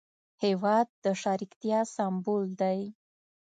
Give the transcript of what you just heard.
هېواد د شریکتیا سمبول دی.